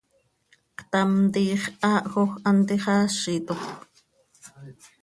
Ctam tiix haahjoj hant ixaazitoj.